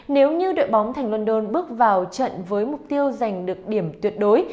nếu như đội bóng thành london bước vào trận với mục tiêu giành được điểm tuyệt đối